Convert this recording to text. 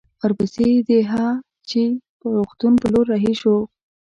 ورپسې د هه چه روغتون پر لور رهي شوو.